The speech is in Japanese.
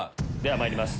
まいります